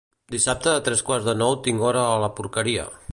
dissabte a tres quarts de nou tinc hora a la porqueria